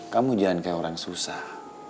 kamu jangan kayak orang susah